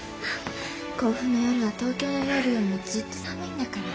甲府の夜は東京の夜よりもずっと寒いんだから。